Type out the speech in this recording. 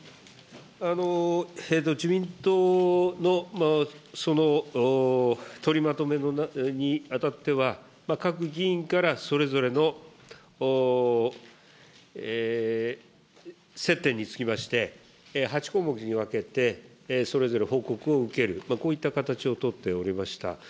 自民党のその、取りまとめにあたっては、各議員からそれぞれの接点につきまして、８項目に分けて、それぞれ報告を受ける、こういった形を取っておりました。